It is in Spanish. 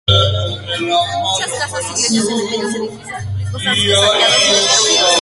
Muchas casas, iglesias, cementerios, edificios públicos han sido saqueados y destruidos.